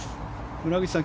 村口さん